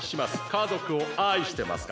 家族を愛してますか？